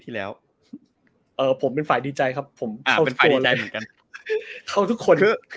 ที่แล้วผมเป็นฝ่ายดีใจครับแค่ทุกคน